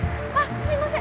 すいません